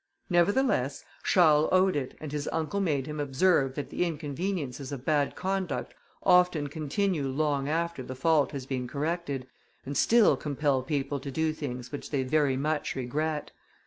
Nevertheless Charles owed it, and his uncle made him observe, that the inconveniences of bad conduct often continue long after the fault has been corrected, and still compel people to do things which they very much regret.